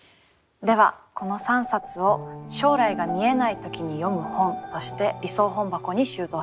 ではこの３冊を「将来が見えないときに読む本」として理想本箱に収蔵します。